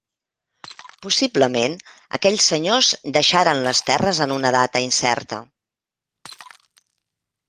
Possiblement aquells senyors deixaren les terres en una data incerta.